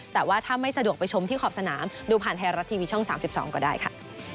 แต่ว่าถ้าไม่สะดวกไปชมที่ขอบสนามดูผ่านไทยรัฐทีวีช่อง๓๒ก็ได้ค่ะ